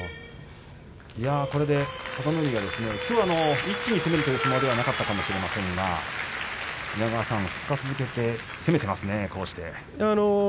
これで佐田の海がきょうは一気に攻めるという相撲ではなかったかもしれませんが稲川さん、２日続けて攻めていますね。。